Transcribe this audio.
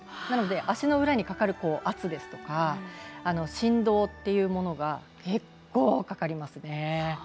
なので、足の裏にかかる圧ですとか、振動というものが結構かかりますね。